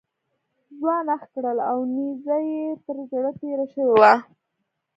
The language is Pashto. ځوان اخ کړل او نیزه یې تر زړه تېره شوې وه.